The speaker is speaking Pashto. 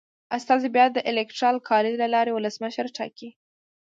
استازي بیا د الېکترال کالج له لارې ولسمشر ټاکي.